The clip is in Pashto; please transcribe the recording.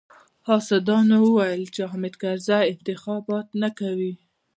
حاسدانو ويل چې حامد کرزی انتخابات نه کوي.